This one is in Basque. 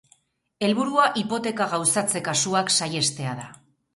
Helburua hipoteka gauzatze-kasuak saihestea da.